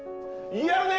やるね！